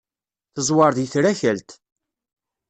Teẓwer deg trakalt.